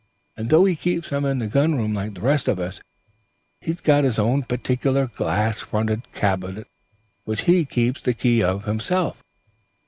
And though he keeps them in the gunroom like the rest of us, he's got his own particular glass fronted cupboard which he keeps the key of himself.